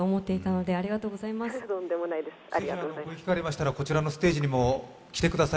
機会がありましたら、こちらのステージにもお越しください。